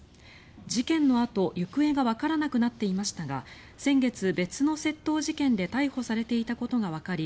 事件のあと、行方がわからなくなっていましたが先月、別の窃盗事件で逮捕されていたことがわかり